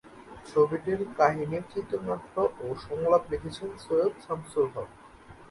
ছবিটির কাহিনী, চিত্রনাট্য ও সংলাপ লিখেছেন সৈয়দ শামসুল হক।